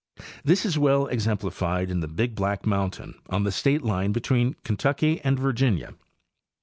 This is well exemplified in the Big Black mountain on the state line between Kentucky and Virginia.